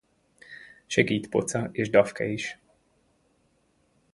Segít Poca és Dafke is.